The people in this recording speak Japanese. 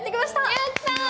やったー！